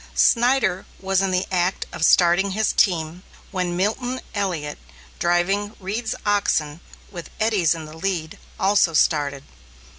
Snyder was in the act of starting his team, when Milton Elliot, driving Reed's oxen, with Eddy's in the lead, also started.